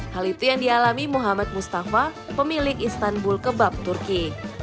hal itu yang dialami muhammad mustafa pemilik istanbul kebab turki